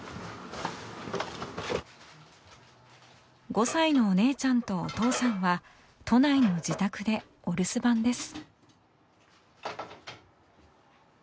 ５歳のお姉ちゃんとお父さんは都内の自宅でお留守番です。